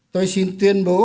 tôi xin tuyên bố